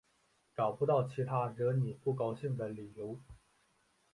找不到其他惹你不高兴的理由